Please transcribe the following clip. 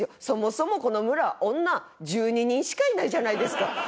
そもそもこの村女１２人しかいないじゃないですか。